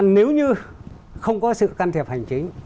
nếu như không có sự can thiệp hành chính